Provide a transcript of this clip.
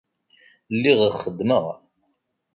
Lliɣ xeddmeɣ.